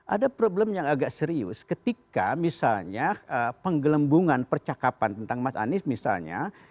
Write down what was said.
ada problem yang agak serius ketika misalnya penggelembungan percakapan tentang mas anies misalnya